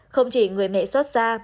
không chỉ người mẹ xót xa